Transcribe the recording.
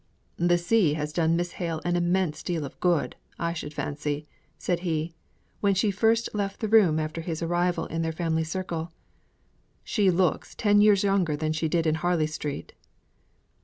"The sea has done Miss Hale an immense deal of good, I should fancy," said he, when she first left the room after his arrival in their family circle. "She looks ten years younger than she did in Harley Street."